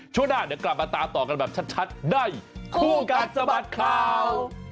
ช่วงหน้าเดี๋ยวกลับมาตามต่อกันแบบชัดในคู่กัดสะบัดข่าว